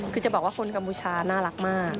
คือจะบอกว่าคนกัมพูชาน่ารักมาก